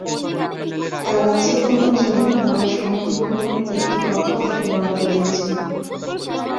তাঁর ইচ্ছাপূরণের জন্য আমরা সমিতি ভবনের একটি কক্ষ তাঁকে বরাদ্দ দিয়েছি।